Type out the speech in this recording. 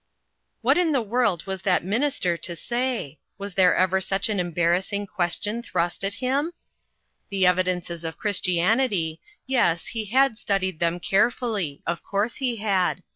What in the world was that minister to say? Was ever such an embarrassing, ques tion thrust at him ? The evidences of Christianity yes, he had studied them carefully ; of course he had.